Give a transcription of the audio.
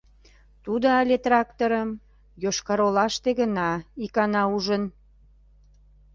Тудо але тракторым Йошкар-Олаште гына икана ужын.